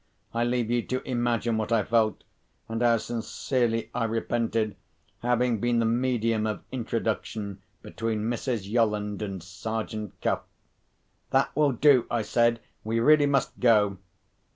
I leave you to imagine what I felt, and how sincerely I repented having been the medium of introduction between Mrs. Yolland and Sergeant Cuff. "That will do," I said. "We really must go."